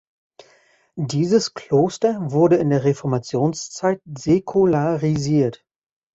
Dieses Kloster wurde in der Reformationszeit säkularisiert.